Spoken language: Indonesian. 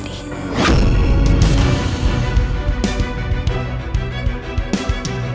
tidak ada yang bisa dihukum